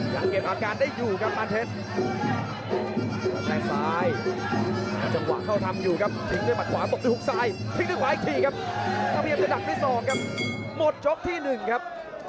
เครียดอย่างจะดักที่สองครับหมดจกที่๑ครับ